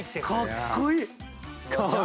かっこいい！